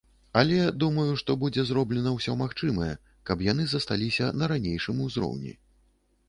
Але, думаю, што будзе зроблена ўсё магчымае, каб яны засталіся на ранейшым узроўні.